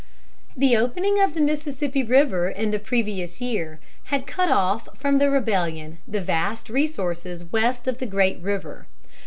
The opening of the Mississippi River in the previous year had cut off from the rebellion the vast resources west of the great river.